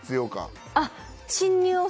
あっ。